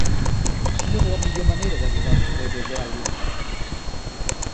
Quina és la millor manera d'arribar al carrer de Vèlia?